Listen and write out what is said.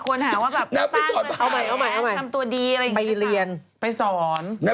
ควรหาว่าแบบป้างประเศษทำตัวดีอะไรอย่างนี้